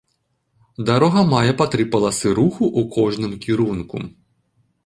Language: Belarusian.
Дарога мае па тры паласы руху у кожным кірунку.